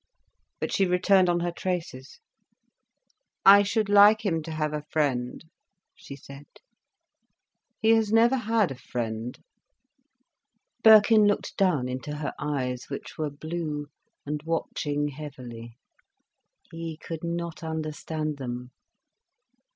But she returned on her traces. "I should like him to have a friend," she said. "He has never had a friend." Birkin looked down into her eyes, which were blue, and watching heavily. He could not understand them.